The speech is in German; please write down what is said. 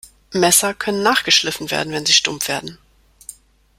Messer können nachgeschliffen werden, wenn sie stumpf werden.